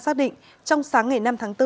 xác định trong sáng ngày năm tháng bốn